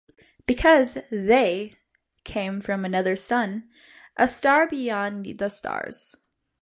Because "They" came from another sun, a star beyond the stars.